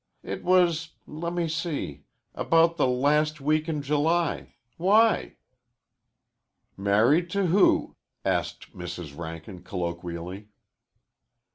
"It was let me see about the last week in July. Why?" "Married to who?" asked Mrs. Rankin colloquially.